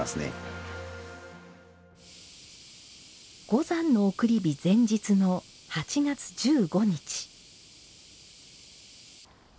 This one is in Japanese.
五山の送り火前日の８月１５日。